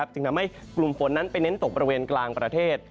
จึงทำให้กลุ่มฝนนั้นไปเน้นตกบริเวณกลางประเทศ